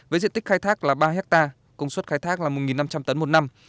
với diện tích khai thác là ba hectare công suất khai thác là một năm trăm linh tấn một năm